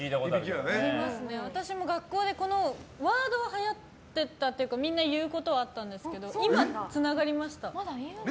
私も学校でワードは、はやってたというかみんな言うことはあったんですけど今つながりました。